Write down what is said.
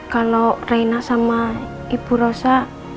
kalau raina sama ibu rosa